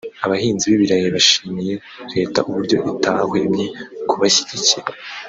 Abahinzi b’ibirayi bashimiye Leta uburyo itahwemye kubashyigikira